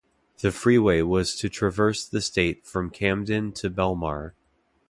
The freeway was to traverse the state from Camden to Belmar.